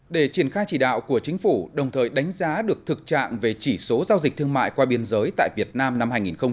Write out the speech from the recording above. để triển khai chỉ đạo của chính phủ đồng thời đánh giá được thực trạng về chỉ số giao dịch thương mại qua biên giới tại việt nam năm hai nghìn một mươi chín